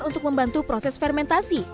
untuk membantu proses fermentasi